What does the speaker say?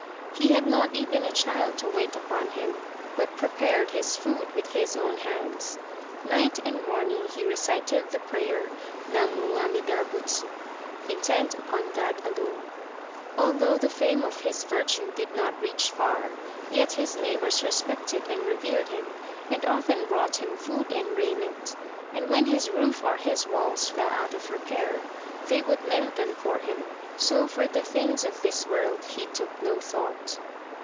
He had not even a child to wait upon him, but prepared his food with his own hands. Night and morning he recited the prayer "Namu Amida Butsu," intent upon that alone. Although the fame of his virtue did not reach far, yet his neighbours respected and revered him, and often brought him food and raiment; and when his roof or his walls fell out of repair, they would mend them for him; so for the things of this world he took no thought.